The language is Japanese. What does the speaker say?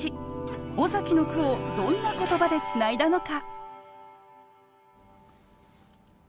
尾崎の句をどんな言葉でつないだのか。